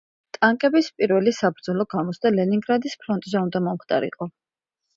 ტანკების პირველი საბრძოლო გამოცდა ლენინგრადის ფრონტზე უნდა მომხდარიყო.